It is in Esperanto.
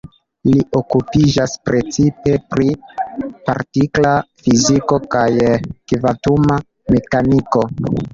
Li okupiĝas precipe pri partikla fiziko kaj kvantuma mekaniko.